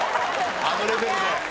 あのレベルで。